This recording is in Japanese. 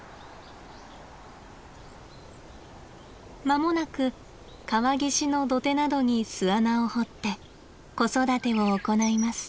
間もなく川岸の土手などに巣穴を掘って子育てを行います。